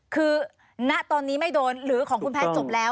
คือณตอนนี้ไม่โดนหรือของคุณแพทย์จบแล้ว